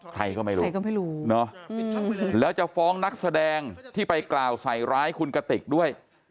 ใครก็ไม่รู้แล้วจะฟ้องนักแสดงที่ไปกล่าวใส่ร้ายคุณกติกด้วย